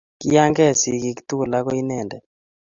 Kiyangee sigiik tugul ago inendet